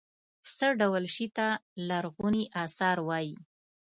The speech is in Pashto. څه ډول شي ته لرغوني اثار وايي.